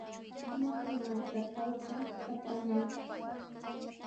Ama kay markatrawqa katramayku.